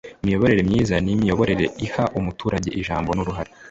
Imiyoborere myiza ni imiyoborere iha umuturage ijambo n uruhare